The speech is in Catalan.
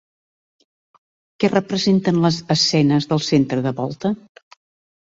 Què representen les escenes del centre de volta?